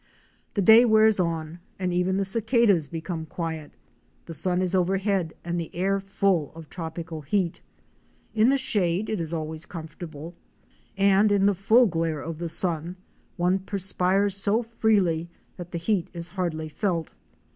Fic. 11. SUN BITTERN. The day wears on, and even the cicadas become quiet. The sun is overhead and the air full of tropical heat. In the shade it is always comfortable, and in the full glare of the sun one perspires so freely that the heat is hardly felt.